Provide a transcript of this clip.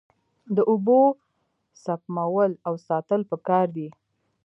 د اوبو سپمول او ساتل پکار دي.